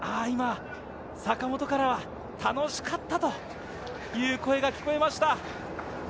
今、阪本からは楽しかったという声が聞こえました。